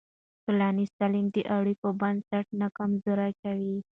ټولنیز تعامل د اړیکو بنسټ نه کمزوری کوي.